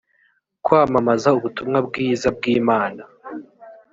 kwamamaza ubutumwa bwiza bw’imana